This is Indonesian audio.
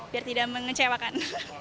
biar tidak mengecewakan